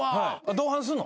同伴すんの？